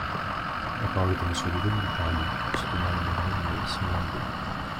La parole est à Monsieur Lionel Tardy, pour soutenir l’amendement numéro cent vingt-deux.